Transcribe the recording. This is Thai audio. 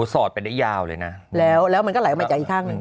สอดไปได้ยาวเลยนะแล้วแล้วมันก็ไหลออกมาจากอีกข้างหนึ่ง